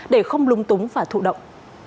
để không lung túng và thụ động